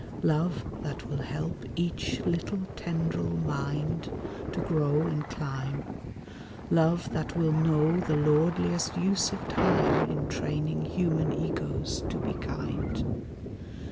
Love that will help each little tendril mind To grow and climb; Love that will know the lordliest use of Time In training human egos to be kind.